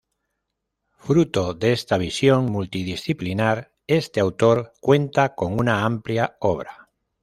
Fruto de esta visión multidisciplinar, este autor cuenta con una amplia obra.